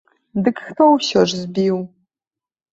Дык хто ўсё ж збіў?